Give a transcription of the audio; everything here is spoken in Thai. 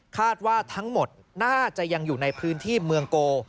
คาดว่าทั้งหมดน่าจะยังอยู่ในพื้นที่เมืองโก